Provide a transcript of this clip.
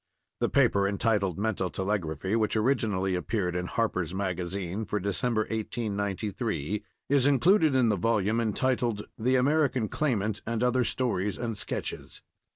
—[The paper entitled "Mental Telegraphy," which originally appeared in Harper's Magazine for December, 1893, is included in the volume entitled The American Claimant and Other Stories and Sketches.